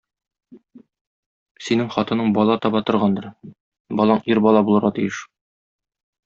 Синең хатының бала таба торгандыр, балаң ир бала булырга тиеш.